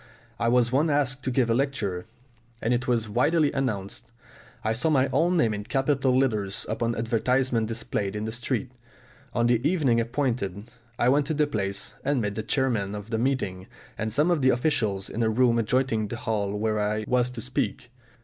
I was once asked to give a lecture, and it was widely announced. I saw my own name in capital letters upon advertisements displayed in the street. On the evening appointed, I went to the place, and met the chairman of the meeting and some of the officials in a room adjoining the hall where I was to speak.